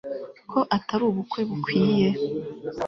Ko atari ubukwe bukwiye